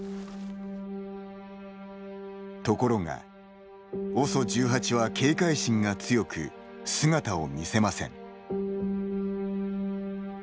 ところが、ＯＳＯ１８は警戒心が強く、姿を見せません。